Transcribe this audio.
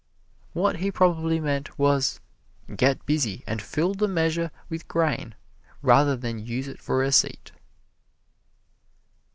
What he probably meant was, get busy and fill the measure with grain rather than use it for a seat.